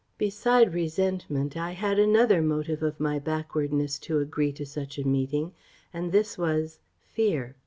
"Beside resentment, I had another motive of my backwardness to agree to such a meeting; and this was fear.